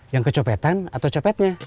yang kecopetan atau copetnya